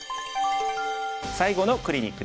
最後のクリニックです。